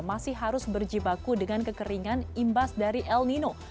masih harus berjibaku dengan kekeringan imbas dari el nino